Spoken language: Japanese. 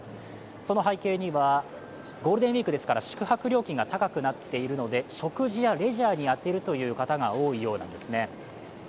その背景には、ゴールデンウイークですから宿泊料金が高くなっているので食事やレジャーに充てるという方が多いようなんですね。